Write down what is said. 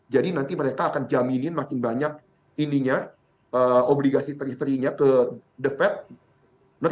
jadi nanti mereka akan jaminin makin banyak obligasi teri seri nya ke the fed